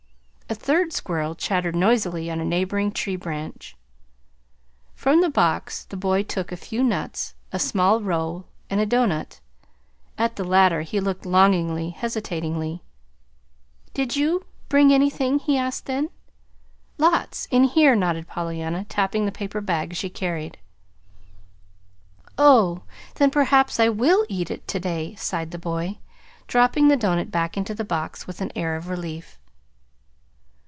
A third squirrel chattered noisily on a neighboring tree branch. From the box the boy took a few nuts, a small roll, and a doughnut. At the latter he looked longingly, hesitatingly. "Did you bring anything?" he asked then. "Lots in here," nodded Pollyanna, tapping the paper bag she carried. "Oh, then perhaps I WILL eat it to day," sighed the boy, dropping the doughnut back into the box with an air of relief.